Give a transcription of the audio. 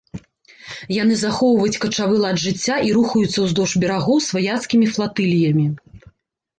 Яны захоўваюць качавы лад жыцця і рухаюцца ўздоўж берагоў сваяцкімі флатыліямі.